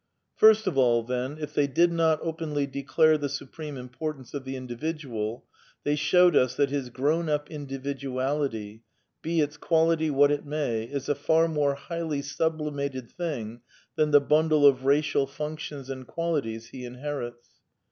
First of all then, if they did not openly declare the su preme importance of the individual, they showed us that his grown up individuality, be its quality what it may, is a far more highly sublimated thing than the bundle of racial functions and qualities he " inherits."